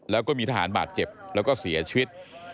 แล้วก็มีทหารบาดเจ็บแล้วก็เสียชีวิต